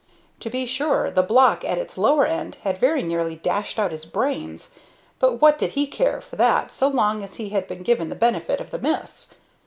To be sure, the block at its lower end had very nearly dashed out his brains, but what did he care for that so long as he had been given the benefit of the miss?